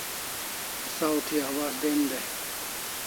Saw thi awaz den dai